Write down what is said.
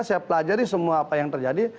saya pelajari semua apa yang terjadi